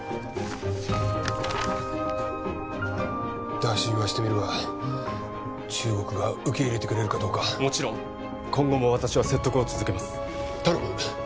打診はしてみるが中国が受け入れてくれるかどうかもちろん今後も私は説得を続けます頼む！